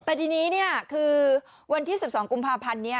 แต่ทีนี้คือวันที่๑๒กุมภาพันธ์นี้